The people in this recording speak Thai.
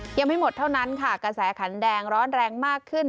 ยังไม่หมดเท่านั้นค่ะกระแสขันแดงร้อนแรงมากขึ้น